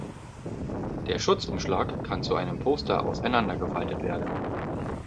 Der Schutzumschlag kann zu einem Poster auseinander gefaltet werden.